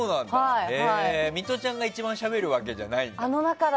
ミトちゃんが一番しゃべるわけじゃないんだ。